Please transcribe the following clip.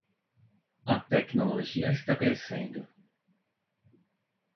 A tecnologia está crescendo